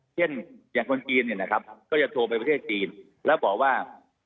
เช่นอย่างคนจีนก็จะโทรไปประเทศจีนแล้วบอกว่า